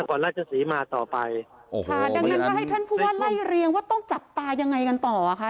ก่อนราชศรีมาต่อไปโอ้โหค่ะดังนั้นก็ให้ท่านผู้ว่าไล่เรียงว่าต้องจับตายังไงกันต่ออ่ะคะ